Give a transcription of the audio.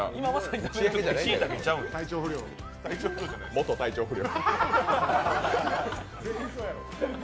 元体調不良。